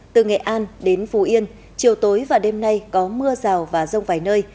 từ nghệ an đến phú yên chiều tối và đêm nay có mưa rào và rông vài nơi